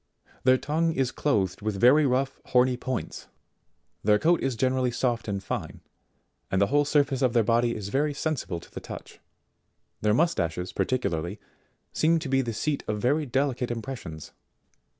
Their tongue is clothed with very rough horny points. Their coat is generally soft and fine, and the whole surface of their body is very sensible to the touch ; their mustaches particularly, seem to be the seat of very delicate impressions.